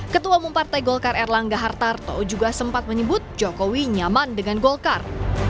ketua umum partai golkar erlangga hartarto juga sempat menyebut jokowi nyaman dengan golkar